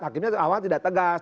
hakimnya awal tidak tegas